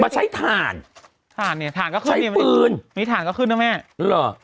ใช้ฐานฐานเนี้ยฐานก็ขึ้นใช้ปืนนี่ฐานก็ขึ้นนะแม่หรอ